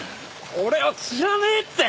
俺は知らねえって！